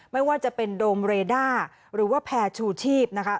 ไม่ว่าจะเป็นโดมเรด้าหรือว่าแพรชูชีพนะคะ